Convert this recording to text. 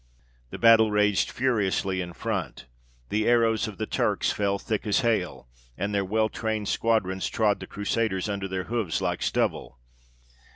The battle raged furiously in front; the arrows of the Turks fell thick as hail, and their well trained squadrons trod the Crusaders under their hoofs like stubble.